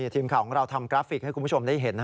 ทีมข่าวของเราทำกราฟิกให้คุณผู้ชมได้เห็น